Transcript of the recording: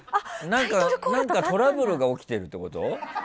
何かトラブルが起きてるってこと？